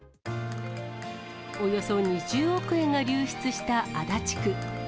およそ２０億円が流出した足立区。